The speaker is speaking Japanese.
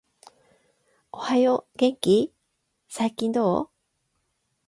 おはよう、元気ー？、最近どう？？